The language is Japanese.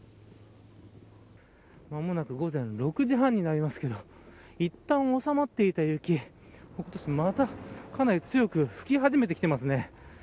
まもなく午前６時半になりますけどいったん収まっていた雪また、かなり強く吹き始めてきてますね。